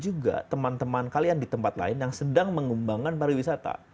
jadi kita bisa mengambil teman teman yang di tempat lain yang sedang mengembangkan pariwisata